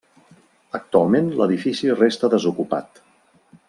Actualment l'edifici resta desocupat.